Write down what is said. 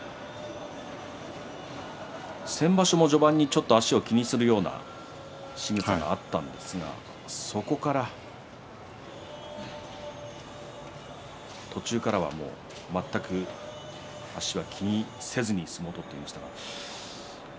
先場所も序盤にちょっと足を気にするようなしぐさがあったんですが途中からは全く足は気にせずに相撲を取っていました。